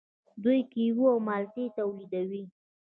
دوی کیوي او مالټې تولیدوي.